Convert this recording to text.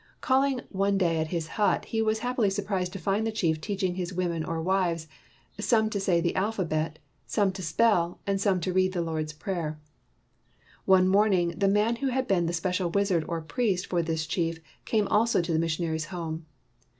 Calling one day at his hut, he was happily surprised to find the chief teaching his women or wives, some to say the alphabet, some to spell, and some to read the Lord's Prayer. One morning, the man who had been the special wizard or priest for this chief came also to the missionaries' home.